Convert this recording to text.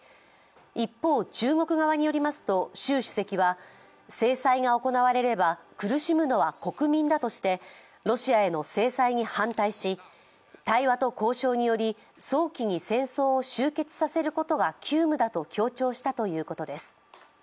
一方、中国側によりますと習主席は制裁が行われれば苦しむのは国民だとしてロシアへの制裁に反対し、対話と交渉により早期に戦争を終結させることが急務だと強調したということです。